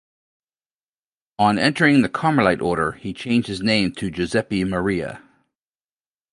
On entering the Carmelite Order he changed his name to Giuseppe Maria.